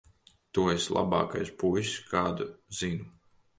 Tu esi labākais puisis, kādu zinu.